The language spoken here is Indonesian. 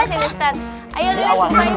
bisa ustaz jah